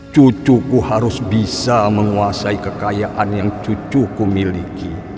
cucuku harus bisa menguasai kekayaan yang cucuku miliki